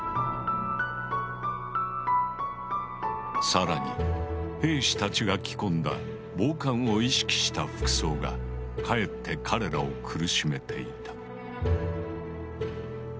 更に兵士たちが着込んだ防寒を意識した服装がかえって彼らを苦しめていた。